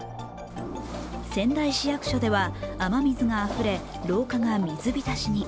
仙台市役所では雨水があふれ廊下が水浸しに。